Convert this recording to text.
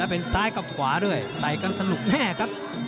เป็นซ้ายกับขวาด้วยใส่กันสนุกแน่ครับ